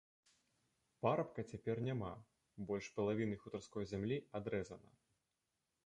Парабка цяпер няма, больш палавіны хутарской зямлі адрэзана.